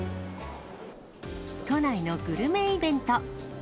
都内のグルメイベント。